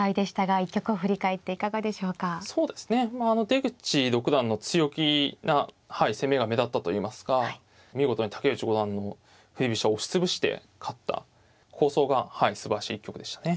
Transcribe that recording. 出口六段の強気な攻めが目立ったといいますか見事に竹内五段の振り飛車を押し潰して勝った構想がすばらしい一局でしたね。